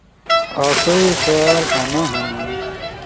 آسئی خیال انا ہنو،